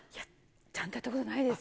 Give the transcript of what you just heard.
ちゃんとやったことないです。